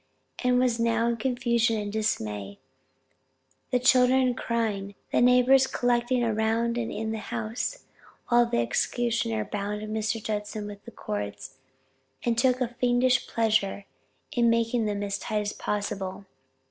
All was now confusion and dismay, the children crying, the neighbors collecting around and in the house, while the executioner bound Mr. Judson with the cords, and took a fiendish pleasure in making them as tight as possible.